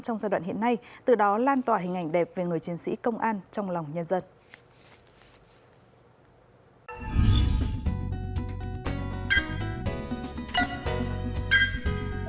trong giai đoạn hiện nay từ đó lan tỏa hình ảnh đẹp về người chiến sĩ công an trong lòng nhân dân